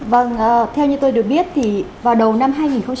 vâng theo như tôi được biết thì vào đầu năm hai nghìn một mươi tám